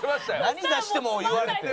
何出しても言われて。